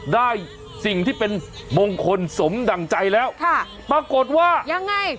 ได้สิ่งที่เป็นมงคลสมดั่งใจแล้วค่ะปรากฏว่ายังไง